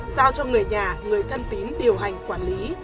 giao cho người nhà người thân tín điều hành quản lý